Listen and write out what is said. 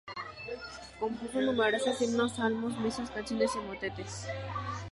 Compuso numerosos himnos, salmos, misas, canciones y motetes.